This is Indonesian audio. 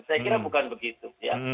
saya kira bukan begitu ya